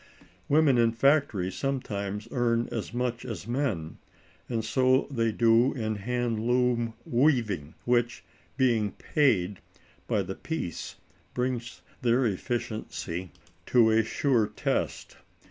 Women in factories sometimes earn as much as men; and so they do in hand loom weaving, which, being paid by the piece, brings their efficiency to a sure test.